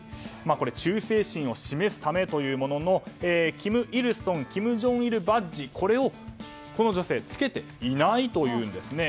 忠誠心を示すためというものの金日成・金正日バッジをこの女性はつけていないというんですね。